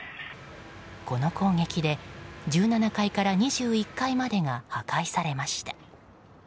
この攻撃で、１７階から２１階までが破壊されました。